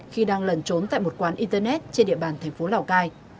khi đang lần trốn tại một quán internet trên địa bàn tp lào cai